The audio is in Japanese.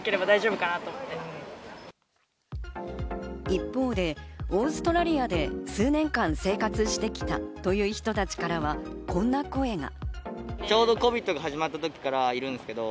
一方で、オーストラリアで数年間生活してきたという人たちからはこんな声が。